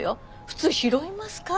普通拾いますか？